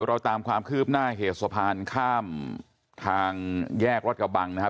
เราตามความคืบหน้าเหตุสะพานข้ามทางแยกรัฐกระบังนะครับ